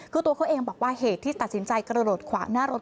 คือตัวเขาเองบอกว่าเหตุที่ตัดสินใจกระโดดขวางหน้ารถ